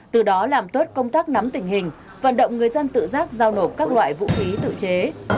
từ đó làm tốt công tác nắm tình hình vận động người dân tự giác giao nộp các loại vũ khí tự chế